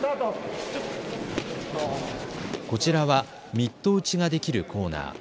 こちらはミット打ちができるコーナー。